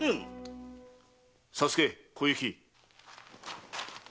佐助小雪。